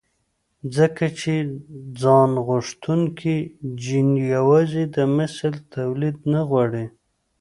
ځکه چې ځانغوښتونکی جېن يوازې د مثل توليد نه غواړي.